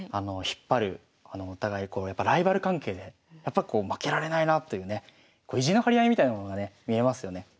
引っ張るお互いこうやっぱライバル関係でやっぱこう負けられないなというね意地の張り合いみたいなものがね見えますよね。